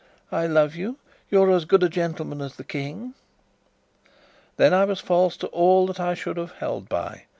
I love you. You are as good a gentleman as the King!" Then I was false to all that I should have held by.